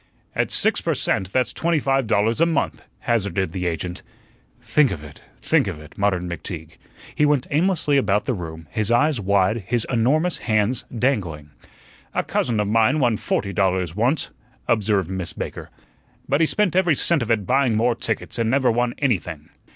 "At six per cent, that's twenty five dollars a month," hazarded the agent. "Think of it. Think of it," muttered McTeague. He went aimlessly about the room, his eyes wide, his enormous hands dangling. "A cousin of mine won forty dollars once," observed Miss Baker. "But he spent every cent of it buying more tickets, and never won anything."